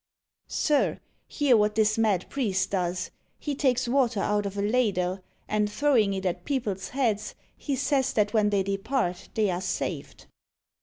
Sir, hear what this mad priest does: He takes water out of a ladle, And, throwing it at people's heads, He says that when they depart they are saved!